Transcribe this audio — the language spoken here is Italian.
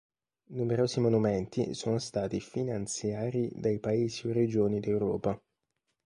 Numerosi monumenti sono stati finanziari dai paesi o regioni d'Europa.